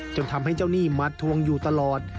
จนทำให้เจ้าหนี้มาทวงอยู่ตลอด